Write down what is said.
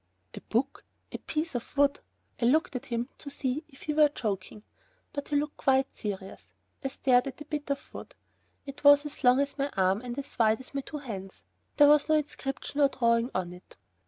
A book! A piece of wood! I looked at him to see if he were joking. But he looked quite serious. I stared at the bit of wood. It was as long as my arm and as wide as my two hands. There was no inscription or drawing on it.